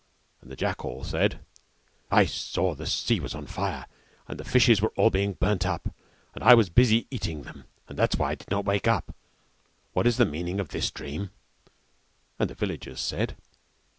And the jackal said, "I saw that the sea was on fire and the fishes were all being burnt up, and I was busy eating them and that was why I did not wake up, what is the meaning of this dream?" And the villagers said.